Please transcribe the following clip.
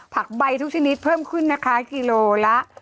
ผักใบทุกชนิดเพิ่มขึ้นนะคะกิโลละ